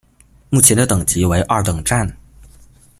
目前的等级为二等站。